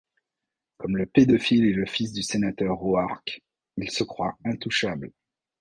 Comme le pédophile est le fils du Sénateur Roark, il se croit intouchable.